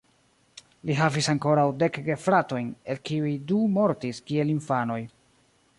Li havis ankoraŭ dek gefratojn, el kiuj du mortis kiel infanoj.